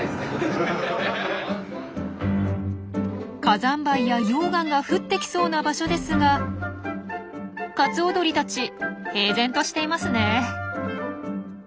火山灰や溶岩が降ってきそうな場所ですがカツオドリたち平然としていますねえ。